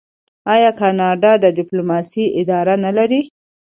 آیا کاناډا د ډیپلوماسۍ اداره نلري؟